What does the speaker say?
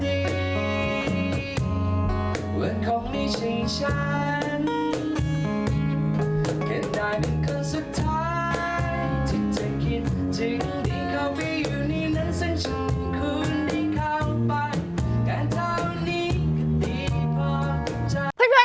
และทุกมีวันข้องผู้หญิงอยู่อยู่ในนั้นในใจของเธอ